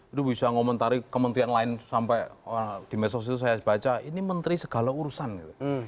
itu bisa mengomentari kementerian lain sampai di medsos itu saya baca ini menteri segala urusan gitu